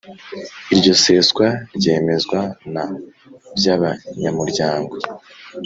Iryo seswa ryemezwa na by abanyamuryango